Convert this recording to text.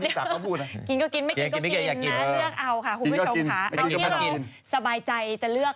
ที่เราสบายใจจะเลือก